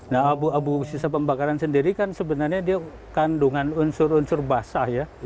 nah abu abu sisa pembakaran sendiri kan sebenarnya dia kandungan unsur unsur basah ya